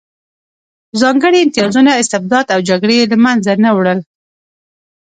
ځانګړي امتیازونه، استبداد او جګړې یې له منځه نه وړل